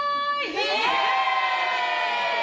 イエーイ！